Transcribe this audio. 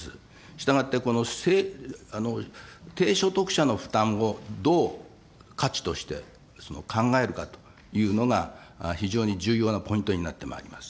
したがって、この低所得者の負担をどう価値として考えるかというのが、非常に重要なポイントになってまいります。